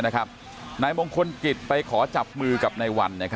นายมงคลกิจไปขอจับมือกับนายวัน